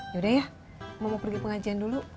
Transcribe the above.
yaudah ya mau pergi pengajian dulu